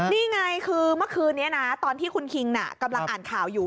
นี่ไงคือเมื่อคืนนี้นะตอนที่คุณคิงกำลังอ่านข่าวอยู่